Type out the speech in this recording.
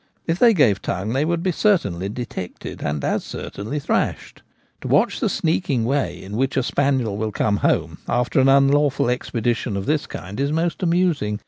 If they gave tongue, they would be certainly detected, and as certainly thrashed. To watch the sneaking way in which a spaniel will come home after an un H 98 The Gamekeeper at Home. lawful expedition of this kind is most amusing.